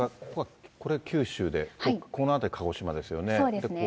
これ、九州で、この辺り、鹿児島ですよね。